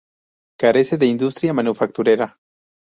Carece de industria manufacturera.